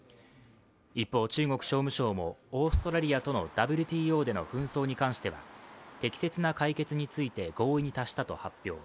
一方、中国商務省もオーストラリアとのＷＴＯでの紛争に関しては適切な解決について合意に達したと発表。